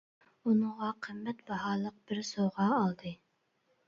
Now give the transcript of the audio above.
ئۇنىڭغا قىممەت باھالىق بىر سوۋغا ئالدى.